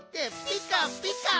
ピカピカ！